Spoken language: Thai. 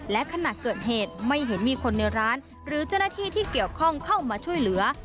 และขณะเกิดเหตุไม่เห็นมีคนในร้านหรือเจ้าหน้าที่ที่เกี่ยวข้องเข้ามาช่วยเหลือ